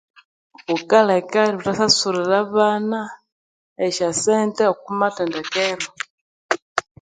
Bukaleka ithuthasasurira abana esyasente oku mathendekero